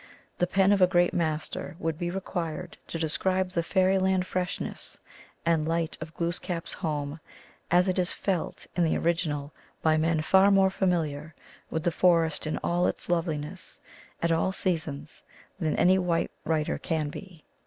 The pen of a great master would be required to describe the fairyland freshness and light of Glooskap s home as it is felt in the original by men far more familiar with the forest in all its loveliness at all seasons than any white writer can be.